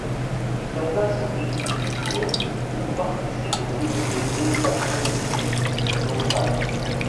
Certains sont détritivores ou participent aux communautés saproxylophages.